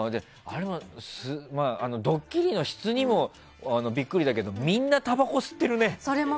ドッキリの質にもビックリだけどみんな、たばこ吸ってたね。